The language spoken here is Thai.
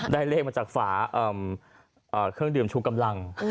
เลขมาจากฝาเครื่องดื่มชูกำลัง